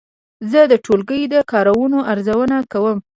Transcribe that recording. زه د ټولګي د کارونو ارزونه کوم.